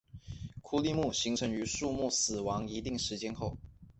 枯立木形成于树木死亡一定时间后。